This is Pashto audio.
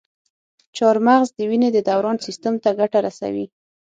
چارمغز د وینې د دوران سیستم ته ګټه رسوي.